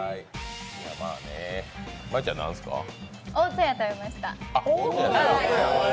大戸屋で食べました。